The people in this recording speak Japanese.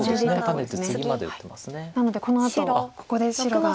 なのでこのあとここで白が。